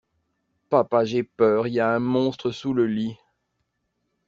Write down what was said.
Papa j'ai peur, y a un monstre sous le lit.